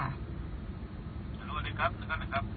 สวัสดีครับสวัสดีครับ